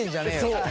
そう。